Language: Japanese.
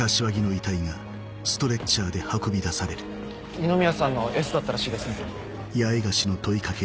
二宮さんのエスだったらしいですね。